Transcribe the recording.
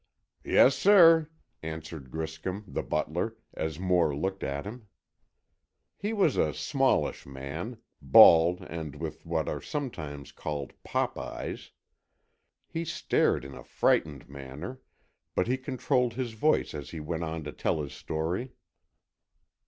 "Yes, sir," answered Griscom, the butler, as Moore looked at him. He was a smallish man, bald and with what are sometimes called pop eyes. He stared in a frightened manner, but he controlled his voice as he went on to tell his story.